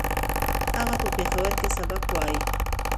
هغه په پېښور کې سبق وايي